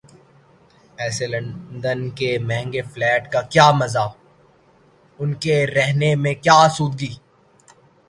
ایسے لندن کے مہنگے فلیٹ کا کیا مزہ، ان کے رہنے میں کیا آسودگی؟